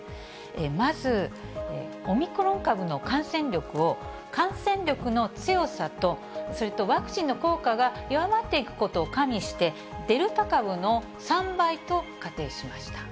まずオミクロン株の感染力を、感染力の強さと、それとワクチンの効果が弱まっていくことを加味して、デルタ株の３倍と仮定しました。